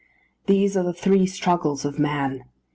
these are the three struggles of man.